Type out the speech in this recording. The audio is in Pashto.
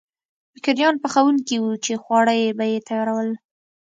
بېکریان پخوونکي وو چې خواړه به یې تیارول.